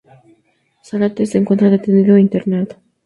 Zárate se encuentra detenido e internado.